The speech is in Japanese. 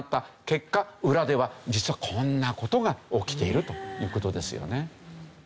裏では実はこんな事が起きているという事ですよね。